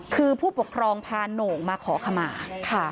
คือผู้ปกครองพาโหน่งมาขอขมาค่ะ